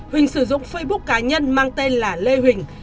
huỳnh sử dụng facebook cá nhân mang tên là lê huỳnh